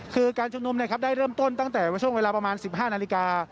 คือการชุมนุมได้เริ่มต้นตั้งแต่ช่วงเวลาประมาณ๑๕นาฬิกา